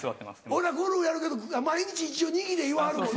俺はゴルフやるけど毎日一応握れいわはるもんね。